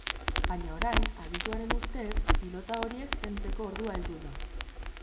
Baina orain, adituaren ustez, pilota horiek kentzeko ordua heldu da.